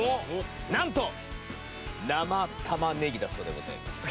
なんと生玉ねぎだそうでございます。